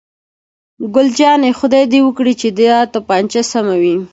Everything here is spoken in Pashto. ګل جانې: خدای دې وکړي چې دا تومانچه سمه وي.